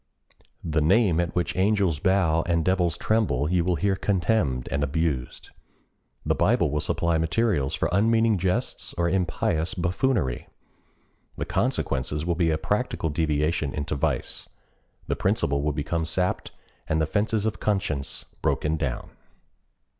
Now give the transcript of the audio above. The name at which angels bow and devils tremble you will hear contemned and abused. The Bible will supply materials for unmeaning jests or impious buffoonery. The consequences will be a practical deviation into vice—the principle will become sapped and the fences of conscience broken down.